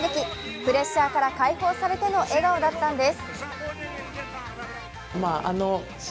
プレッシャーから解放されての笑顔だったんです。